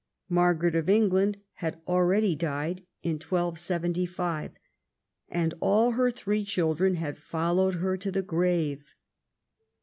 Margaret of England had already died in 1275, and all her three children had followed her to the grave.